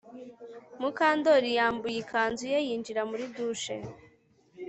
Mukandoli yambuye ikanzu ye yinjira muri douche